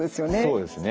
そうですね。